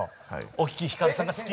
沖ヒカルさんが好きで。